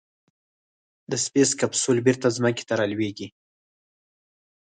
د سپېس کیپسول بېرته ځمکې ته رالوېږي.